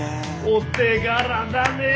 お手柄だね。